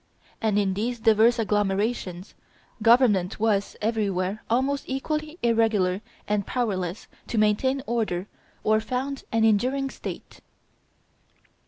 And, in these divers agglomerations, government was everywhere almost equally irregular and powerless to maintain order or found an enduring state.